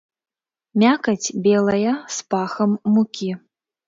Мякаць белая, з пахам мукі.